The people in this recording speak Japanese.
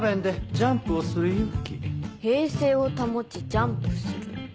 平静を保ちジャンプする。